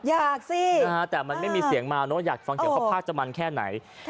อยากสิแต่มันไม่มีเสียงมาเนอะอยากฟังเสียงเพราะภาคจะมันแค่ไหน